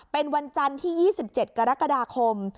เป็นวันจันทร์ที่๒๗กรกฎาคม